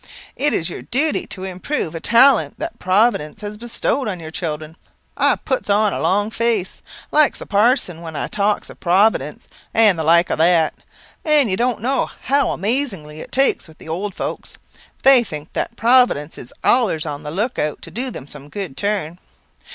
it is your duty to improve a talent that providence has bestowed on your children. I puts on a long face, like a parson, when I talks of providence and the like o'that, and you don't know how amazingly it takes with the old folks. They think that providence is allers on the look out to do them some good turn.